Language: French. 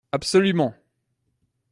Absolument